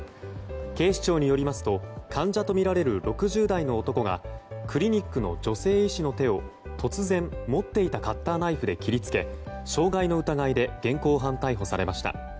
警視庁によりますと患者とみられる６０代の男がクリニックの女性医師の手を突然持っていたカッターナイフで切りつけ傷害の疑いで現行犯逮捕されました。